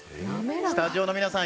スタジオの皆さん